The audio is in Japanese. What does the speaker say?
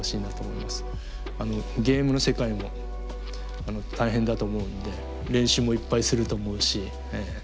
ゲームの世界も大変だと思うんで練習もいっぱいすると思うし